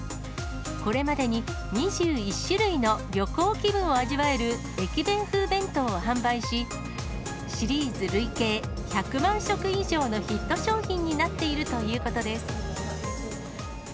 これまでに２１種類の旅行気分を味わえる駅弁風弁当を販売し、シリーズ累計１００万食以上のヒット商品になっているということです。